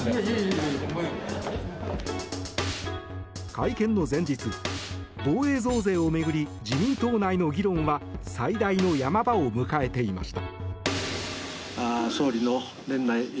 会見の前日、防衛増税を巡り自民党内の議論は最大の山場を迎えていました。